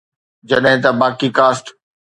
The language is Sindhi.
جڏهن ته باقي ڪاسٽ